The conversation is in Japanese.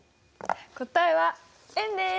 答えは円です。